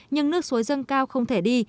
nhưng nước suối dân cao không thể đi